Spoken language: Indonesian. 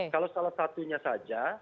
kalau salah satunya saja